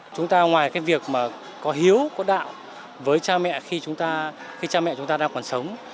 chúng ta ngoài cái việc mà có hiếu có đạo với cha mẹ khi cha mẹ chúng ta đang còn sống